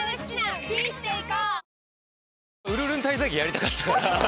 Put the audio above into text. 『ウルルン滞在記』やりたかったから。